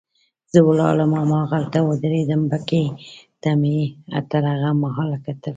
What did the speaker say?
زه ولاړم هماغلته ودرېدم، بګۍ ته مې تر هغه مهاله کتل.